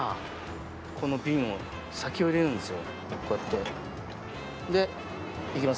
この瓶の先を入れるんですよ。